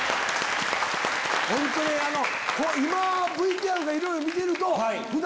本当に今ＶＴＲでいろいろ見てると。